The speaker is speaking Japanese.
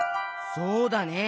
そうだね。